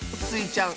ちゃん